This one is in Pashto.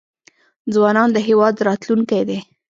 ځوانان د هیواد راتلونکی دی